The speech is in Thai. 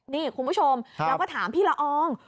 นี่คุณผู้ชมเราก็ถามพี่ละออง